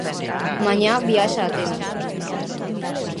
Mañá viaxa a Atenas.